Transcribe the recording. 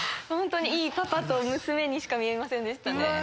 ホントにいいパパと娘にしか見えませんでしたね。